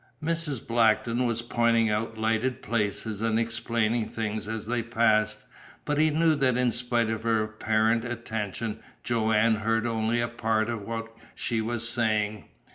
Mrs. Blackton was pointing out lighted places, and explaining things as they passed, but he knew that in spite of her apparent attention Joanne heard only a part of what she was saying.